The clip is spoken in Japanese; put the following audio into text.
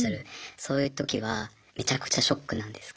そういうときはめちゃくちゃショックなんですか？